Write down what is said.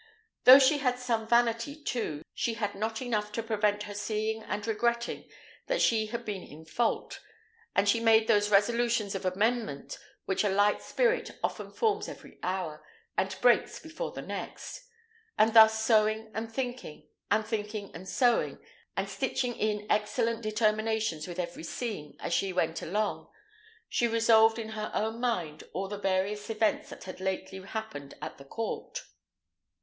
Though she had some vanity, too, she had not enough to prevent her seeing and regretting that she had been in fault; and she made those resolutions of amendment which a light spirit often forms every hour, and breaks before the next: and thus sewing and thinking, and thinking and sewing, and stitching in excellent determinations with every seam as she went along, she revolved in her own mind all the various events that had lately happened at the court.